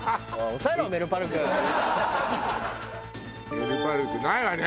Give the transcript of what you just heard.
メルパルクないわね。